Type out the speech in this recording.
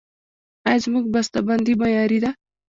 آیا زموږ بسته بندي معیاري ده؟